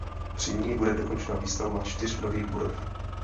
Při ní bude dokončena výstavba čtyř nových budov.